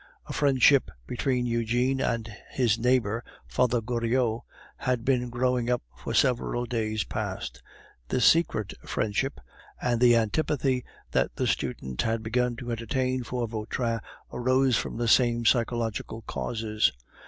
A friendship between Eugene and his neighbor, Father Goriot, had been growing up for several days past. This secret friendship and the antipathy that the student had begun to entertain for Vautrin arose from the same psychological causes.